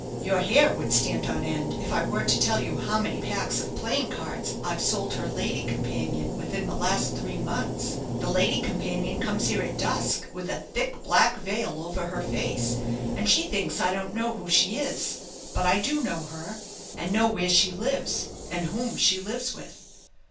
Your hair would stand on end if I were to tell you how many packs of playing cards I've sold her lady companion within the last three months. The lady companion comes here at dusk with a thick black veil over her face, and she thinks I don't know who she is; but I do know her, and know where she lives, and whom she lives with.'